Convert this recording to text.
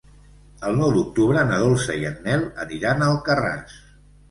El nou d'octubre na Dolça i en Nel aniran a Alcarràs.